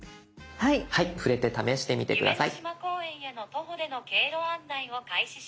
はい触れて試してみて下さい。